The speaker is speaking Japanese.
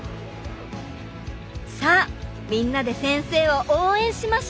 さあみんなで先生を応援しましょう！